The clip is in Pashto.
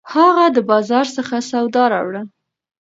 هغه د بازار څخه سودا راوړه